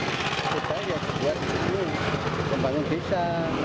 itu banyak buat pengembangan desa